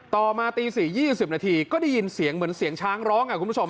ต่อมาตี๔๒๐นาทีก็ได้ยินเสียงเหมือนเสียงช้างร้องคุณผู้ชม